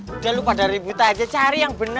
udah lu pada ribut aja cari yang berbeda